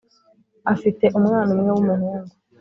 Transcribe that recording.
afite umwana umwe w’umuhungu.